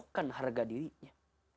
tapi engkau sedang menjatuhkan harga dirinya